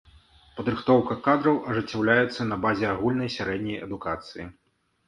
Падрыхтоўка кадраў ажыццяўляецца на базе агульнай сярэдняй адукацыі.